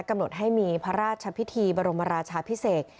กำหนดให้มีพระราชพิธีบรมราชาพิเศษ